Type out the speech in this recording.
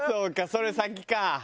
それ先か。